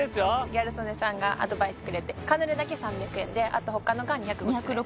ギャル曽根さんがアドバイスくれてカヌレだけ３００円であと他のが２５０円？